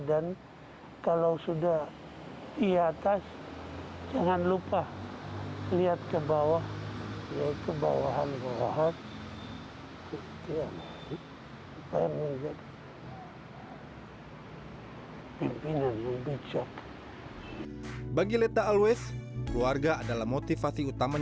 dan kalau sudah di atas jangan lupa lihat ke bawah